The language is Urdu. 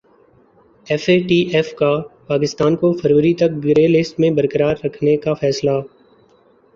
ایف اے ٹی ایف کا پاکستان کو فروری تک گرے لسٹ میں برقرار رکھنے کا فیصلہ